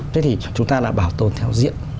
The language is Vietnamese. thế thì chúng ta là bảo tồn theo diện